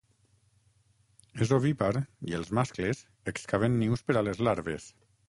És ovípar i els mascles excaven nius per a les larves.